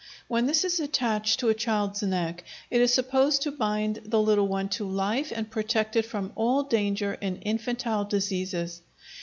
When this is attached to a child's neck, it is supposed to bind the little one to life and protect it from all danger in infantile diseases.